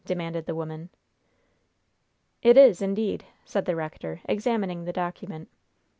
demanded the woman. "It is, indeed," said the rector, examining the document.